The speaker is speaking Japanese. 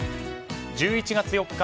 １１月４日